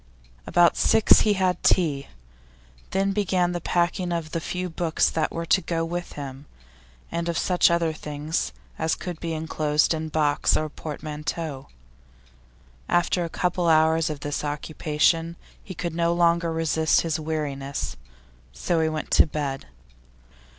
About six he had tea, then began the packing of the few books that were to go with him, and of such other things as could be enclosed in box or portmanteau. After a couple of hours of this occupation he could no longer resist his weariness, so he went to bed.